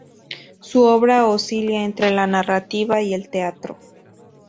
Su obra oscila entre la narrativa y el teatro.